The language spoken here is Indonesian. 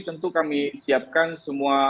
tentu kami siapkan semua